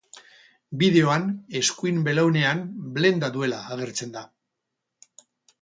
Bideoan eskuin belaunean benda duela agertzen da.